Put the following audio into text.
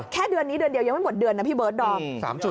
แค่เดือนนี้เดือนเดียวยังไม่หมดเดือนนะพี่เบิร์ดดอม